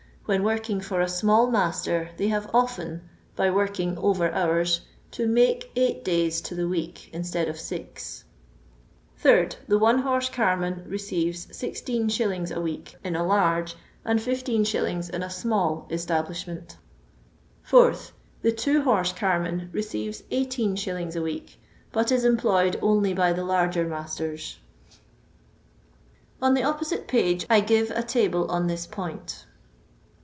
When working for a small master they have often, by working over hours, to "make eight days to the week instead of liz." 8rd. The one horse carman receives 16s. a week in a large, and 1 5s. in a small establishment. 4th. The two horse carman receives IBs. weekly, but is employed only by the larger masters. On the opposite page I givo a table on this point.